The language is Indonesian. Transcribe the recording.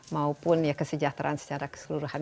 maupun ya kesejahteraan secara keseluruhan